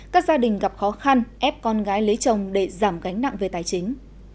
các gia đình gặp khó khăn ép con gái lấy chồng để giảm gánh nặng về tài chính